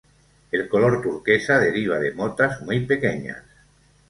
El color turquesa deriva de motas muy pequeñas.